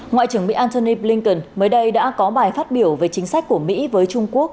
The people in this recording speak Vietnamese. ngoại trưởng mỹ antony blinken mới đây đã có bài phát biểu về chính sách của mỹ với trung quốc